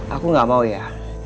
aku enggak mau ya